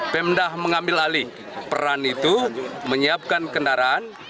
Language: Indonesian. pemda mengambil alih peran itu menyiapkan kendaraan